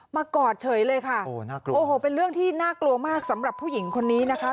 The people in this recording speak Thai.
กอดเฉยเลยค่ะโอ้น่ากลัวโอ้โหเป็นเรื่องที่น่ากลัวมากสำหรับผู้หญิงคนนี้นะคะ